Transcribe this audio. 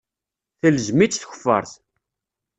Telzem-itt tkeffart.